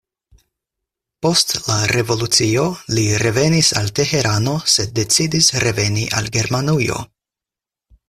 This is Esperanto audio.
Post la revolucio li revenis al Teherano sed decidis reveni al Germanujo.